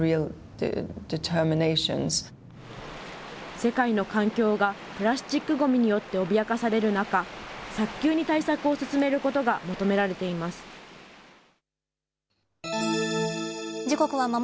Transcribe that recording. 世界の環境がプラスチックごみによって脅かされる中、早急に対策を進めることが求められています。